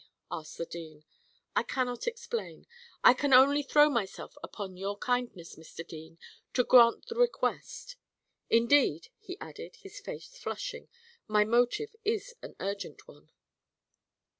asked the dean. "I cannot explain. I can only throw myself upon your kindness, Mr. Dean, to grant the request. Indeed," he added, his face flushing, "my motive is an urgent one."